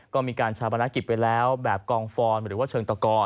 ก็มีการชาปนกิจไปแล้วแบบกองฟอนหรือว่าเชิงตะกอ